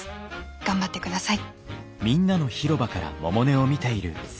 頑張ってください。